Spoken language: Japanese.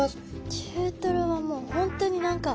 中トロはもう本当に何か。